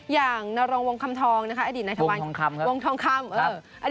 อย่างนรงวงคำทองอดีตนายทวารวงทองคำ